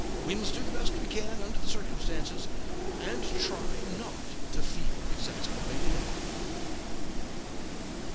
We must do the best we can under the circumstances, and try not to feel exasperated at him.